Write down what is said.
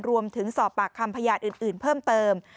รวมถึงสอบปากคำพยานอื่นเพิ่มเติม